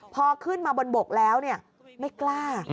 พอขึ้นมาบนบกแล้วไม่กล้า